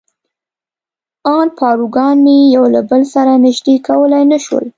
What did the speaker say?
ان پاروګان مې یو له بل سره نژدې کولای نه شول.